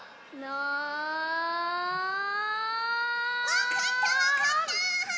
わかったわかった！